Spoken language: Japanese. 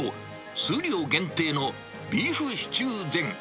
数量限定のビーフシチュー膳。